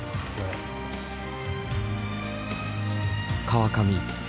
川上